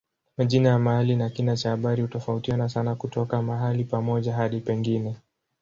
Majina ya mahali na kina cha habari hutofautiana sana kutoka mahali pamoja hadi pengine.